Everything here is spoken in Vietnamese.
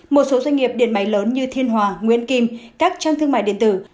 một số doanh nghiệp điện máy lớn như thiên hòa nguyên kim các trang thương mại điện tử